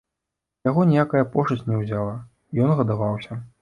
Яго ніякая пошасць не ўзяла, і ён гадаваўся.